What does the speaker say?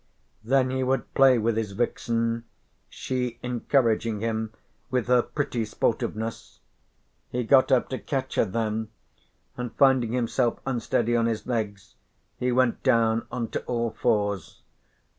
Then he would play with his vixen, she encouraging him with her pretty sportiveness. He got up to catch her then and finding himself unsteady on his legs, he went down on to all fours.